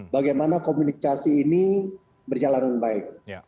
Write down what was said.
bagaimana komunikasi ini berjalan dengan baik